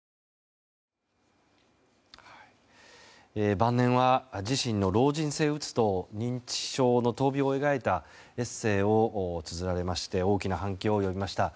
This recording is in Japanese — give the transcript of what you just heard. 晩年は自身の老人性うつと認知症の闘病を描いたエッセーをつづられまして大きな反響を呼びました。